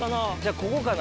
ここかな？